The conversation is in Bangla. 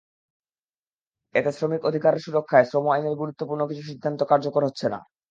এতে শ্রমিক অধিকার সুরক্ষায় শ্রম আইনের গুরুত্বপূর্ণ কিছু সিদ্ধান্ত কার্যকর হচ্ছে না।